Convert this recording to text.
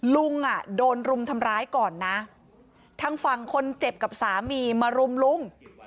ลุงอ่ะโดนรุมทำร้ายก่อนนะทางฝั่งคนเจ็บกับสามีมารุมลุง